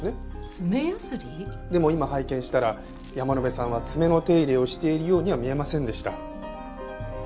でも今拝見したら山野辺さんは爪の手入れをしているようには見えませんでした。